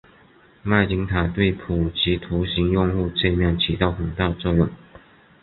麦金塔对普及图形用户界面起到了很大作用。